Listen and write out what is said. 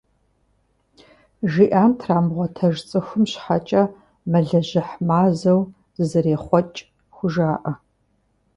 ЖиӀам трамыгъуэтэж цӀыхум щхьэкӀэ «Мэлыжьыхь мазэу зызэрехъуэкӀ» хужаӀэ.